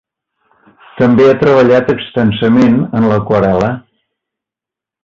També ha treballat extensament en l'aquarel·la.